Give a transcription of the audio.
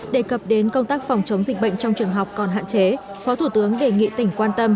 đề cập đến công tác phòng chống dịch bệnh trong trường học còn hạn chế phó thủ tướng đề nghị tỉnh quan tâm